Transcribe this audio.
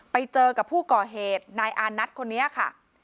ไปเจอกับผู้ก่อเหตุนายอานัทคนนี้ค่ะ